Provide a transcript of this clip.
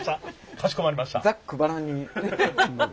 かしこまりました。